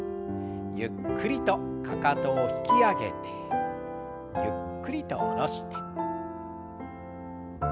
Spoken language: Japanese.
ゆっくりとかかとを引き上げてゆっくりと下ろして。